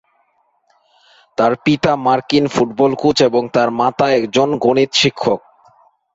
তার পিতা মার্কিন ফুটবল কোচ এবং তার মাতা একজন গণিত শিক্ষক।